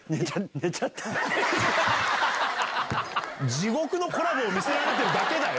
地獄のコラボを見せられてるだけだよ。